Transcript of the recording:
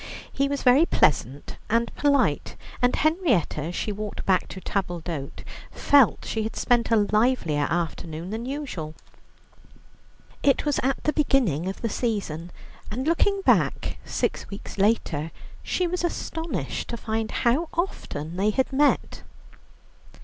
He was very pleasant and polite, and Henrietta, as she walked back to table d'hôte, felt she had spent a livelier afternoon than usual. It was at the beginning of the season, and looking back six weeks later she was astonished to find how often they had met.